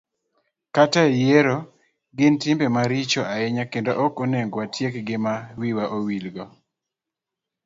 kata e yiero, gin timbe maricho ahinya kendo ok onego watiekgi ma wiwa wilgo.